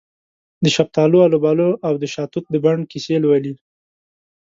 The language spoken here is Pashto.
دشفتالو، الوبالواودشاه توت د بڼ کیسې لولې